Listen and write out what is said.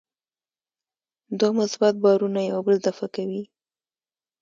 دوه مثبت بارونه یو بل دفع کوي.